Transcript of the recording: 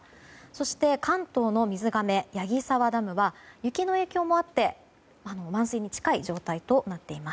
そして関東の水がめ矢木沢ダムは雪の影響もあって満水に近い状態です。